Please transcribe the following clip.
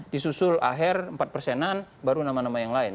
disusul aher empat persenan baru nama nama yang lain